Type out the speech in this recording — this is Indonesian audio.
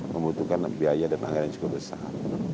membutuhkan biaya dan anggaran yang cukup besar